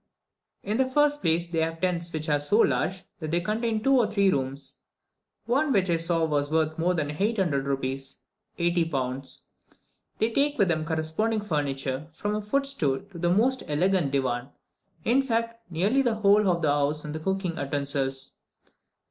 In the first place, they have tents which are so large, that they contain two or three rooms; one which I saw was worth more than 800 rupees (80 pounds). They take with them corresponding furniture, from a footstool to the most elegant divan; in fact, nearly the whole of the house and cooking utensils.